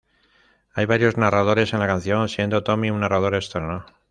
Hay varios narradores en la canción, siendo Tommy un narrador externo.